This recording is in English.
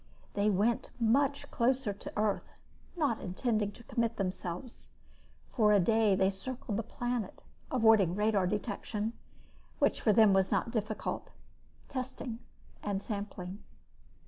They went much closer to Earth, not intending to commit themselves. For a day they circled the planet, avoiding radar detection, which for them was not difficult, testing, and sampling.